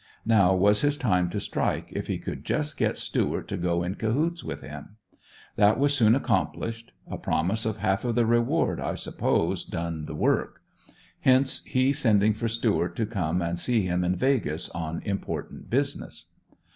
Now was his time to strike, if he could just get Stuart to go in cahoots with him. That was soon accomplished; a promise of half of the reward, I suppose, done the work. Hence he sending for Stuart to come and see him in "Vegas" on important business.